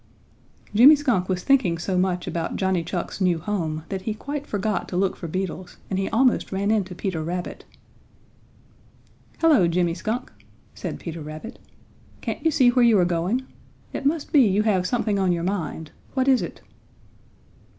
Jimmy Skunk was thinking so much about Johnny Chuck's new home that he quite forgot to look for beetles, and he almost ran into Peter Rabbit. "Hello, Jimmy Skunk," said Peter Rabbit, "can't you see where you are going? It must be you have something on your mind; what is it?"